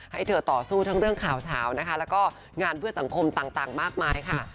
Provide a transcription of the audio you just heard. ให้เธอต่อสู้ทั้งเรื่องข่าวเฉานะคะแล้วก็งานเพื่อสังคมต่างมากมายค่ะ